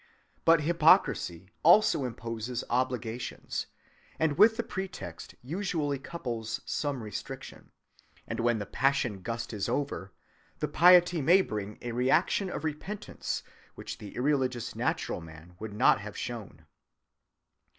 But hypocrisy also imposes obligations, and with the pretext usually couples some restriction; and when the passion gust is over, the piety may bring a reaction of repentance which the irreligious natural man would not have shown.